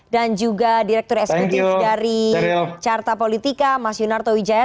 dan juga direktur esekutif dari carta politika mas yunarto wijaya